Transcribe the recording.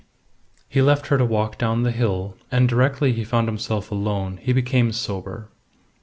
He left her to walk down the hill, and directly he found himself alone he became sober.